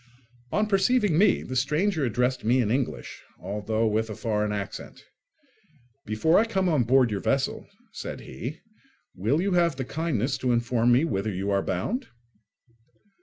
On perceiving me, the stranger addressed me in English, although with a foreign accent. "Before I come on board your vessel," said he, "will you have the kindness to inform me whither you are bound?"